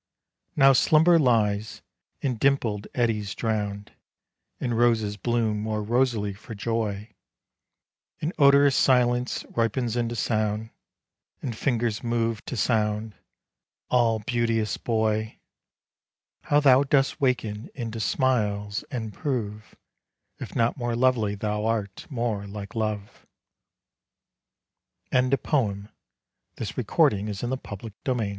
Now slumber lies in dimpled eddies drown'd And roses bloom more rosily for joy, And odorous silence ripens into sound, And fingers move to sound. All beauteous boy! How thou dost waken into smiles, and prove, If not more lovely thou art more like Love! TO FANCY. Most delicate Ariel! submissive thing, Won by the min